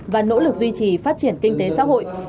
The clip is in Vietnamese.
và nỗ lực duy trì phát triển kinh tế xã hội